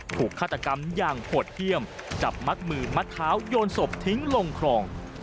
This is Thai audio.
ฆาตกรรมอย่างโหดเยี่ยมจับมัดมือมัดเท้าโยนศพทิ้งลงคลอง